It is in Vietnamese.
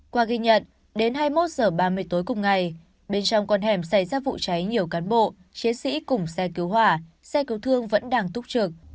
qua ghi nhận đến hai mươi một h ba mươi tối cùng ngày bên trong con hẻm xảy ra vụ cháy nhiều cán bộ chiến sĩ cùng xe cứu hỏa xe cứu thương vẫn đang túc trực